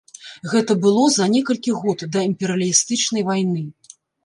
Гэта было за некалькі год да імперыялістычнай вайны.